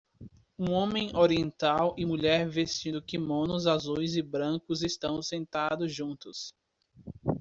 Um homem oriental e mulher vestindo quimonos azuis e brancos estão sentados juntos.